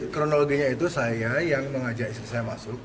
kronologinya itu saya yang mengajak istri saya masuk